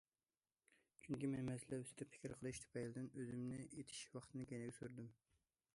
چۈنكى مەن مەسىلە ئۈستىدە پىكىر قىلىش تۈپەيلىدىن ئۆزۈمنى ئېتىش ۋاقتىنى كەينىگە سۈردۈم.